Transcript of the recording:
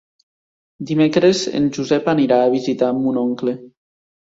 Dimecres en Josep anirà a visitar mon oncle.